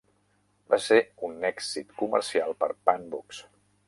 Va ser un èxit comercial per Pan Books.